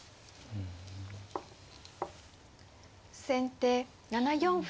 先手７四歩。